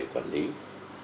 mà không thể đồng ý